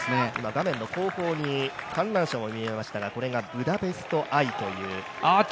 画面後方に観覧車も見えましたが、これがブダペスト・アイですね。